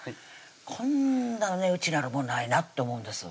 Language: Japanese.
こんな値打ちのあるもんないなって思うんです